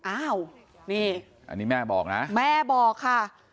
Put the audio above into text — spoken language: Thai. อ้าวนี่อันนี้แม่บอกนะแม่บอกค่ะ